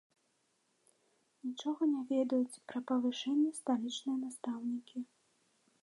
Нічога не ведаюць пра павышэнне сталічныя настаўнікі.